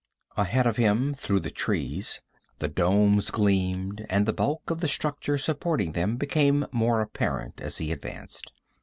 Ahead of him, through the trees, the domes gleamed and the bulk of the structure supporting them became more apparent as he advanced.